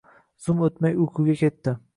Zum o‘tmay uyquga ketdi.